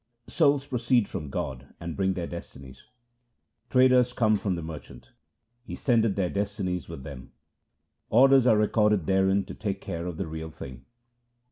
Souls proceed from God and bring their destinies :— Traders come from the Merchant ; He sendeth their destinies with them ; Orders are recorded therein to take care of the real thing.